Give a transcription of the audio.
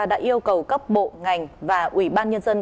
đã yêu cầu các bộ ngành và ủy ban nhân dân